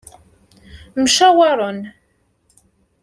Mcawaren.